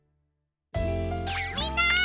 みんな！